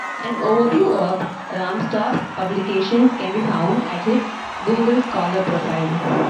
An overview of Rahmstorf's publications can be found at his Google Scholar profile.